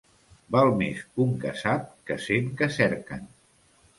Val més un que sap que cent que cerquen.